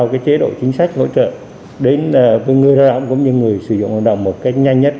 chế độ chính sách hỗ trợ đến người lao động cũng như người sử dụng hồ sơ một cách nhanh nhất